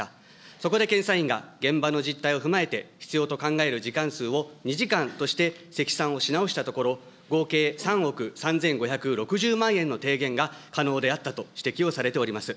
そこで検査員が現場の実態を踏まえて、必要と考える時間数を２時間として積算をし直したところ、合計３億３５６０万円の提言が可能であったと指摘をされております。